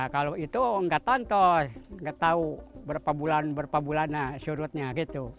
kalau itu nggak tontos nggak tahu berapa bulan berapa bulannya surutnya gitu